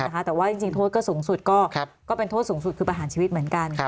แต่ว่าจริงโทษก็สูงสุดคือประหารชีวิตเหมือนกัน